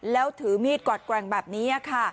แล้วถือมีดกวาดแกว่งแบบนี้ค่ะ